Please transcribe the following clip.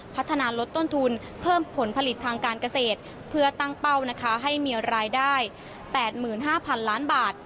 พัฒนาลดต้นทุนเพิ่มผลผลิตทางการเกษตรเพื่อตั้งเป้านะคะให้มีรายได้๘๕๐๐๐ล้านบาท